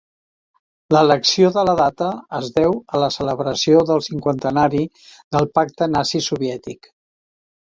L'elecció de la data es deu a la celebració del cinquantenari del Pacte Nazi-Soviètic.